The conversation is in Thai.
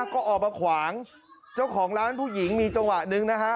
ก็ออกมาขวางเจ้าของร้านผู้หญิงมีจังหวะหนึ่งนะฮะ